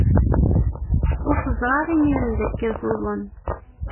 Ur teẓri ara imiren d akken tuḍen.